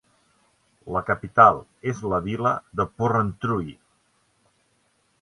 La capital és la vila de Porrentruy.